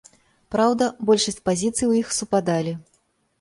Праўда, большасць пазіцый у іх супадалі.